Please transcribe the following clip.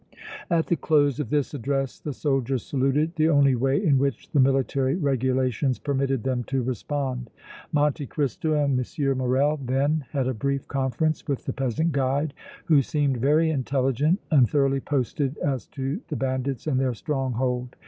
At the close of this address the soldiers saluted, the only way in which the military regulations permitted them to respond. Monte Cristo and M. Morrel then had a brief conference with the peasant guide, who seemed very intelligent and thoroughly posted as to the bandits and their stronghold.